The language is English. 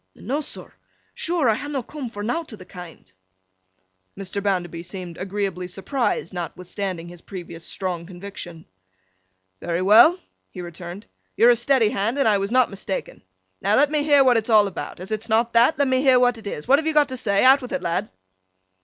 'No, sir, sure I ha' not coom for nowt o' th' kind.' Mr. Bounderby seemed agreeably surprised, notwithstanding his previous strong conviction. 'Very well,' he returned. 'You're a steady Hand, and I was not mistaken. Now, let me hear what it's all about. As it's not that, let me hear what it is. What have you got to say? Out with it, lad!